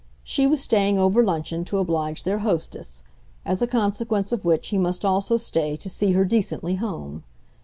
She was staying over luncheon to oblige their hostess as a consequence of which he must also stay to see her decently home.